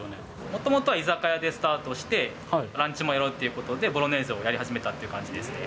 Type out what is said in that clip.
もともとは居酒屋でスタートして、ランチもやろうということで、ボロネーゼをやり始めたって感じですね。